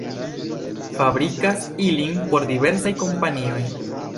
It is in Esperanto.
Fabrikas ilin por diversaj kompanioj.